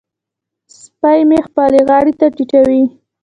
سپی مې خپلې غاړې ته ټيټوي.